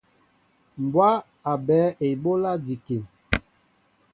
Mbwá a ɓɛέ eɓólá njikin.